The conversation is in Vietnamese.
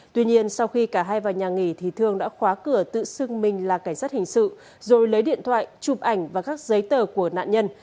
tuy nhiên sau khi cả hai vào nhà nghỉ thì thương đã khóa cửa tự xưng mình là cảnh sát hình sự rồi lấy điện thoại chụp ảnh và các giấy tờ của nạn nhân